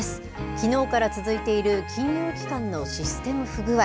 きのうから続いている金融機関のシステム不具合。